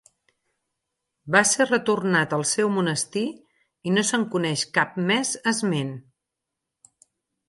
Va ser retornat al seu monestir i no se'n coneix cap més esment.